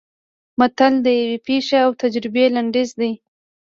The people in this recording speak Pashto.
متل د یوې پېښې او تجربې لنډیز دی